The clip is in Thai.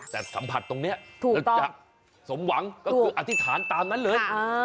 แต่สัมผัสตรงนี้แล้วจะสมหวังก็คืออธิษฐานตามนั้นเลย